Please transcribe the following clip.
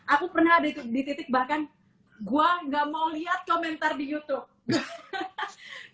aku pernah ada di titik bahkan gue gak mau lihat komentar di youtube